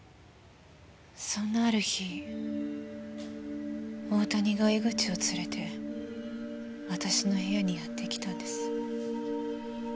そんなある日大谷が江口を連れて私の部屋にやってきたんです。